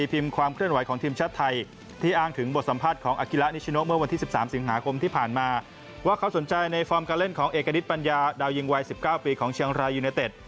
ว่าเขาสนใจในฟอร์มการเล่นของเอกณิตปัญญาดาวยิงวัย๑๙ปีของเชียงรายยูเนเต็ด